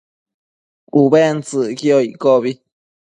Ubentsëcquio iccobi